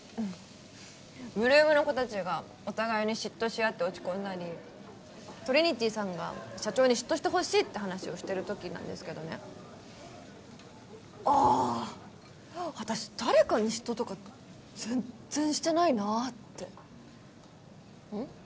８ＬＯＯＭの子達がお互いに嫉妬し合って落ち込んだりトリニティさんが社長に嫉妬してほしいって話をしてる時なんですけどねあっ私誰かに嫉妬とか全然してないなってうん？